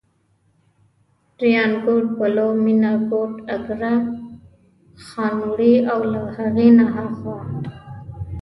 ریانکوټ، بلو، مېنه، کوټ، اګره، خانوړی او له هغې نه اخوا.